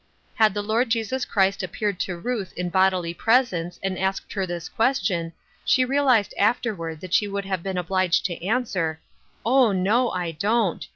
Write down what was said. " Had the Lord Jesus Christ appeared to Ruth in bodily presence and asked her tliis question she realized afterward that she would have been obliged to answer :" Oh, no, I don't.